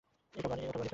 ওটা বাড়ির ওপরে আছে।